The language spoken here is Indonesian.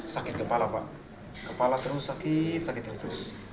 sakit kepala pak kepala terus sakit sakit terus